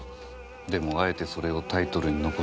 でもあえてそれをタイトルに残した。